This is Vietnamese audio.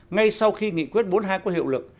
ngay sau khi nghị quyết bốn mươi hai có hiệu lực